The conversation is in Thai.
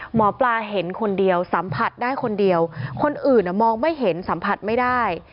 หมอปลาเห็นคนเดียวสัมผัสได้คนเดียวคนอื่นมองไม่เห็นสัมผัสไม่ได้